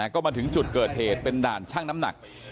ก็มาถึงจุดเกิดเหตุเป็นด่านช่างน้ำหนัก